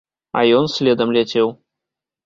А ён следам ляцеў.